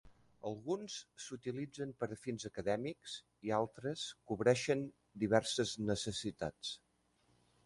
Alguns s"utilitzen per a fins acadèmics i altres cobreixen diverses necessitats.